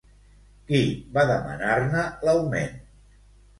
Qui va demanar-ne l'augment?